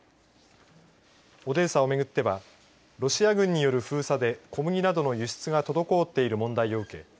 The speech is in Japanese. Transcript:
オデーサを巡ってはロシア軍による封鎖で小麦などの輸出が滞っている問題を受け